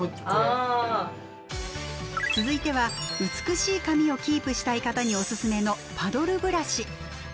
続いては美しい髪をキープしたい方におすすめのパドルブラシ。